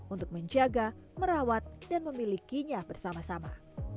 untuk menjaga merawat dan memilikinya bersama sama